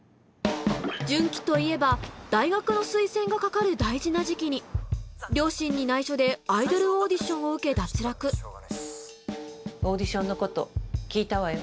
順基といえば大学の推薦がかかる大事な時期に両親に内緒でアイドルオーディションを受け脱落オーディションのこと聞いたわよ。